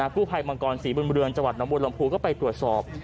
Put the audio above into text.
กู้ภัยบางกรศรีบลเมืองจวดนมวลลมภูก็ไปตรวจสอบ